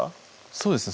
そうですね